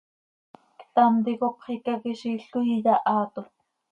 Ctam ticop xicaquiziil coi iyahaato.